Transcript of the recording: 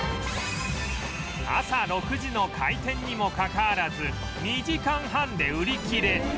朝６時の開店にもかかわらず２時間半で売り切れ